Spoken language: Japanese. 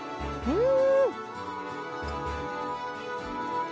うん。